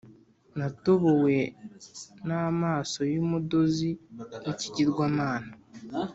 natobowe n'amaso y'umudozi w'ikigirwamana,